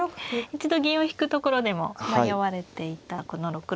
一度銀を引くところでも迷われていたこの６六歩ですね。